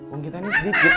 uang kita ini sedikit